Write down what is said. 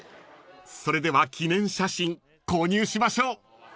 ［それでは記念写真購入しましょう］